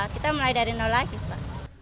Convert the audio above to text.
kita mulai dari nol lagi pak